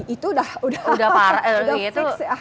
itu udah udah udah parah